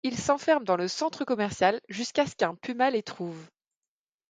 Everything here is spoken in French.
Ils s'enferment dans le centre commercial jusqu'à ce qu'un puma les trouve.